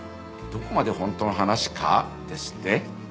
「どこまでホントの話か」ですって？